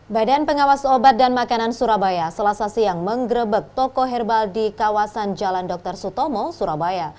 badan pengawas obat dan makanan surabaya selasa siang menggerebek toko herbal di kawasan jalan dr sutomo surabaya